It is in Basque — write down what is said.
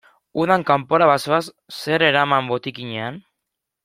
Udan kanpora bazoaz, zer eraman botikinean?